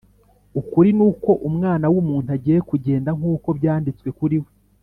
Ukuri nuko Umwana w’ umuntu agiye kugenda nk’ uko byanditswe kuri we